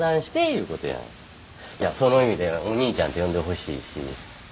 その意味で「お兄ちゃん」て呼んでほしいし。